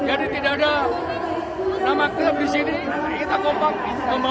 jadi tidak ada nama klub di sini kita kompak membawa nama jawa timur